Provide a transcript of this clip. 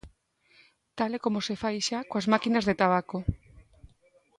Tal e como se fai xa coas máquinas de tabaco.